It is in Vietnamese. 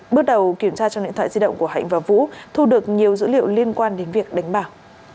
bước đầu kiểm tra trong điện thoại di động của hạnh và vũ thu được nhiều dữ liệu liên quan đến việc đánh bạc